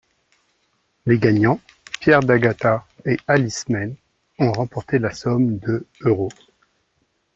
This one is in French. Les gagnants, Pierre d'Agata et Alice Mayne, ont remporté la somme de euros.